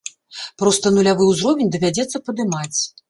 Проста нулявы ўзровень давядзецца падымаць.